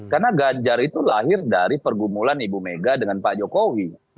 karena ganjar itu lahir dari pergumulan ibu mega dengan pak jokowi